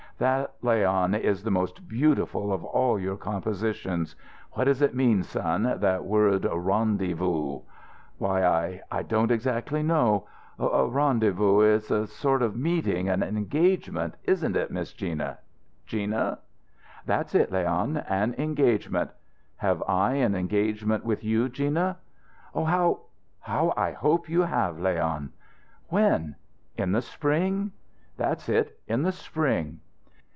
"That, Leon, is the most beautiful of all your compositions. What does it mean, son, that word, 'rondy voo'?" "Why, I I don't exactly know. A rendezvous it's a sort of meeting, an engagement, isn't it, Miss Gina? Gina?" "That's it, Leon an engagement." "Have I an engagement with you, Gina?" "Oh, how how I hope you have, Leon!" "When?" "In the spring?" "That's it in the spring."